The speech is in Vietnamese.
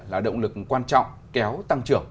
là động lực quan trọng kéo tăng trưởng